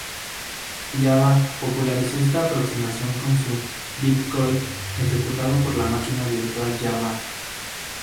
Java popularizó esta aproximación con su Bytecode ejecutado por la Máquina virtual Java.